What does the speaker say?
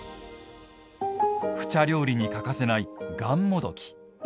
普茶料理に欠かせないがんもどき。